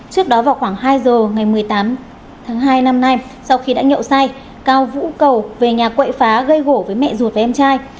trước đó vào khoảng hai giờ ngày một mươi tám tháng hai năm nay sau khi đã nhậu say cao vũ cầu về nhà quậy phá gây gỗ với mẹ ruột và em trai